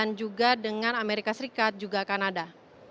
dan juga dengan amerika serikat dan juga kanada